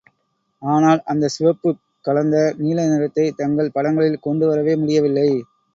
ஆனால், அந்தச் சிவப்புக் கலந்த நீல நிறத்தை தங்கள் படங்களில் கொண்டுவரவே முடியவில்லை.